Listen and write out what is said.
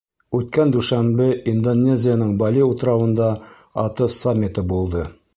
Үткән дүшәмбе Индонезияның Бали утрауында АТЭС саммиты булды.